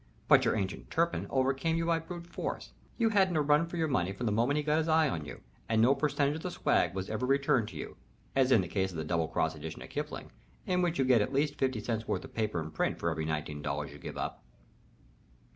But your ancient Turpin overcame you by brute force; you hadn't a run for your money from the moment he got his eye on you, and no percentage of the swag was ever returned to you as in the case of the Double Cross Edition of Kipling, in which you get at least fifty cents worth of paper and print for every nineteen dollars you give up."